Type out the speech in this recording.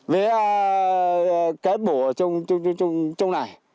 với kết bộ trong này